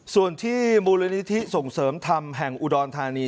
ส่วนที่มูลนิธิส่งเสริมธรรมแห่งอุดรธานี